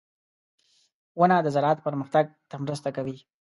• ونه د زراعت پرمختګ ته مرسته کوي.